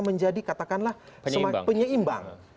menjadi katakanlah penyeimbang